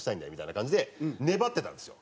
みたいな感じで粘ってたんですよ。